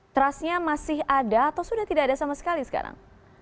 trustnya masih ada atau sudah tidak ada sama sekali sekarang